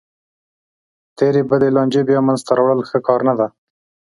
تېرې بدې لانجې بیا منځ ته راوړل ښه کار نه دی.